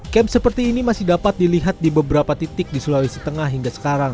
camp seperti ini masih dapat dilihat di beberapa titik di sulawesi tengah hingga sekarang